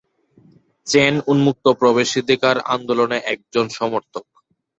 চ্যান উন্মুক্ত প্রবেশাধিকার আন্দোলনের একজন সমর্থক।